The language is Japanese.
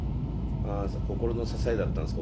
ああ心の支えだったんですか